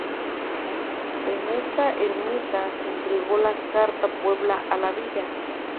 En esta ermita se entregó la Carta Puebla a la villa.